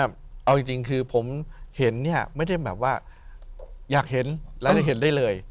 เอาจริงคือผมเห็นเนี่ยไม่ได้แบบว่าอยากเห็นแล้วได้เห็นได้เลย